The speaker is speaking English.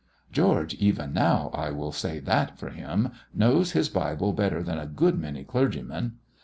George even now, I will say that for him, knows his Bible better than a good many clergymen.